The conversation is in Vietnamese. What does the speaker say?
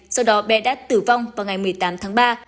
sau đó bé đã tử vong vào ngày một mươi tám tháng ba